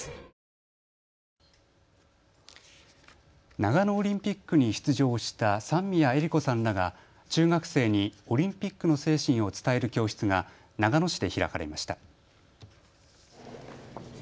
長野オリンピックに出場した三宮恵利子さんらが中学生にオリンピックの精神を伝える教室が長野市で開かれました。